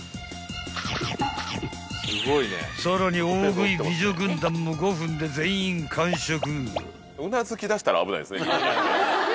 ［さらに大食い美女軍団も５分で全員完食］